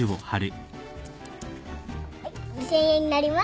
はい２，０００円になります。